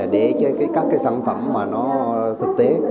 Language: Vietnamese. để các cái sản phẩm mà nó thực tế